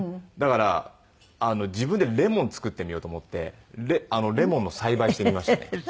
だから自分でレモン作ってみようと思ってレモンの栽培してみましたね。